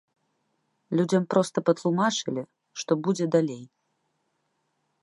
Людзям проста патлумачылі, што будзе далей.